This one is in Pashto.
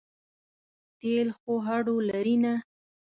تېل خو هډو لري نه.